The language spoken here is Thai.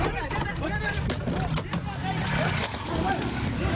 ยูไยช่วย